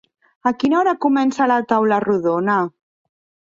A quina hora comença la taula rodona?